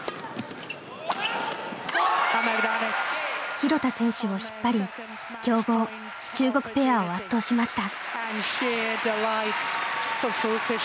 廣田選手を引っ張り強豪中国ペアを圧倒しました。